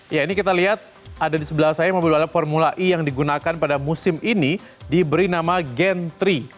ya ini kita lihat ada di sebelah saya mobil balap formula e yang digunakan pada musim ini diberi nama gentry